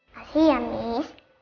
kasih ya miss